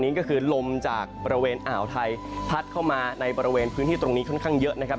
นี่ก็คือลมจากบริเวณอ่าวไทยพัดเข้ามาในบริเวณพื้นที่ตรงนี้ค่อนข้างเยอะนะครับ